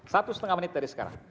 satu setengah menit dari sekarang